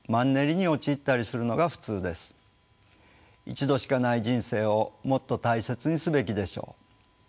一度しかない人生をもっと大切にすべきでしょう。